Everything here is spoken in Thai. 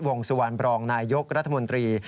วงสุวรรณบรองนายยกรัฐมนตรี